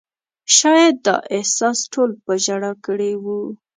شاید دا احساس ټول په ژړا کړي وو.